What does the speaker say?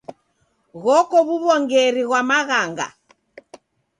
Ghoko w'uw'ongeri ghwa maghanga.